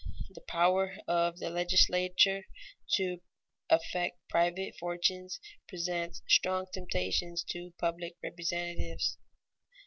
_The power of the legislature to affect private fortunes presents strong temptations to public representatives.